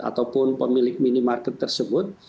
ataupun pemilik minimarket tersebut